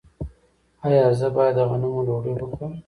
ایا زه باید د غنمو ډوډۍ وخورم؟